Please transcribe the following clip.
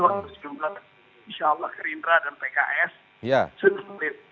insyaallah gerindra dan pks sudah solid